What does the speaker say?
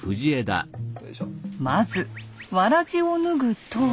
まずわらじを脱ぐと。